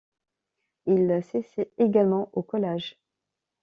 Il s'essaie également au collage.